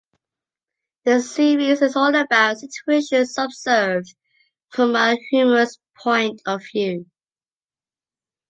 The series is all about situations observed from a humorous point of view.